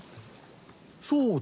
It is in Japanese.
そうだ。